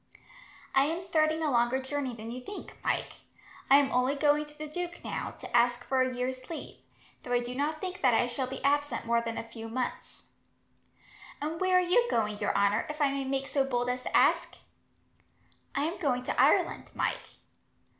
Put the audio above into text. "I am starting a longer journey than you think, Mike. I am only going to the duke, now, to ask for a year's leave; though I do not think that I shall be absent more than a few months." "And where are you going, your honour, if I may make so bold as to ask?" "I am going to Ireland, Mike."